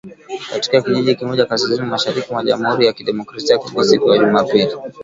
Katika kijiji kimoja kaskazini-mashariki mwa Jamuhuri ya Kidemokrasia ya Kongo ,siku ya Jumapili